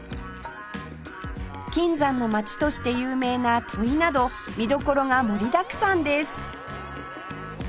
金山の街として有名な土肥など見どころが盛りだくさんです